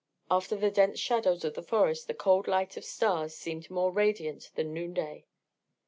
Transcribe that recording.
After the dense shadows of the forest the cold light of stars seemed more radiant than noon day.